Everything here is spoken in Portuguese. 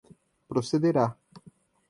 procederá